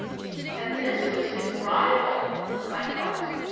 " And this was his rival !" I thought.